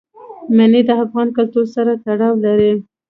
منی د افغان کلتور سره تړاو لري.